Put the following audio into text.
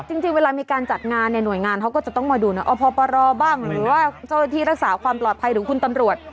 จริงเวลามีการจัดงานเนี่ยหน่วยงานเขาก็จะต้องมาดูนะอพปรบ้างหรือว่าเจ้าที่รักษาความปลอดภัยหรือคุณตำรวจ